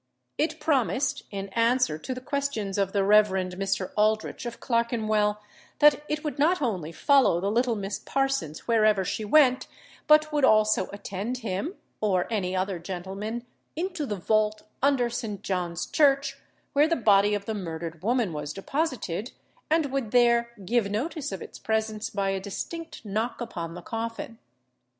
It promised, in answer to the questions of the Rev. Mr. Aldritch of Clerkenwell, that it would not only follow the little Miss Parsons wherever she went, but would also attend him, or any other gentleman, into the vault under St. John's Church, where the body of the murdered woman was deposited, and would there give notice of its presence by a distinct knock upon the coffin.